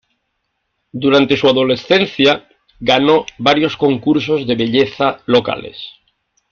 Durante su adolescencia, ganó varios concursos de belleza locales.